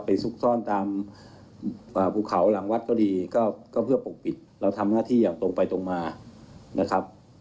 ซุกซ่อนตามภูเขาหลังวัดก็ดีก็เพื่อปกปิดเราทำหน้าที่อย่างตรงไปตรงมานะครับ